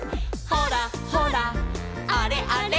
「ほらほらあれあれ」